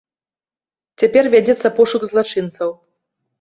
Цяпер вядзецца пошук злачынцаў.